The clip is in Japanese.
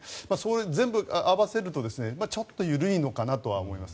全部合わせるとちょっと緩いのかなと思います。